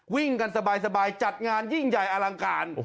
วิ่งกันสบายจัดงานยิ่งใหญ่อลังการ